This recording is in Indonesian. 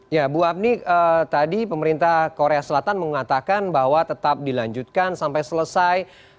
ya bu apni tadi pemerintah korea selatan mengatakan bahwa tetap dilanjutkan sampai selesai